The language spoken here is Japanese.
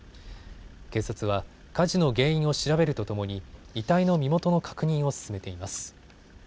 警察は火事の原因を調べるとともに遺体の身元の確認を進めています。